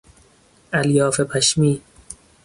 الیاف پشمی